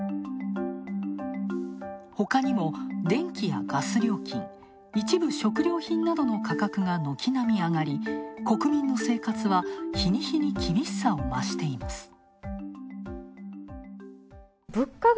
ほかにも電気やガス料金、一部食料品などの価格が軒並みあがり国民の生活は日に日に厳しさを増しています。